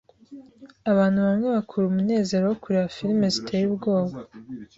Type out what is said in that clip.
Abantu bamwe bakura umunezero wo kureba firime ziteye ubwoba.